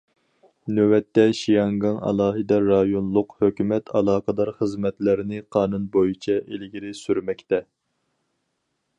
نۆۋەتتە، شياڭگاڭ ئالاھىدە رايونلۇق ھۆكۈمەت ئالاقىدار خىزمەتلەرنى قانۇن بويىچە ئىلگىرى سۈرمەكتە.